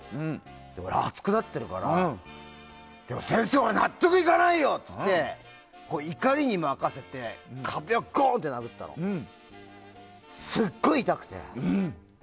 俺、熱くなってるから先生、俺納得いかないよ！って言って怒りに任せて壁をゴン！と殴ったらすっごい痛くて。